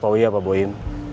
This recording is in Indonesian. pak wia pak boyin